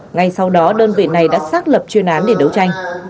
ngay sau đó đơn vị này đã xác lập chuyên án để đấu tranh